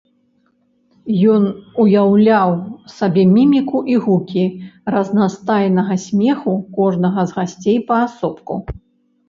Ён уяўляў сабе міміку і гукі разнастайнага смеху кожнага з гасцей паасобку.